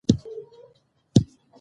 نېک اخلاق او عاجزي ډېره لویه نېکي ده.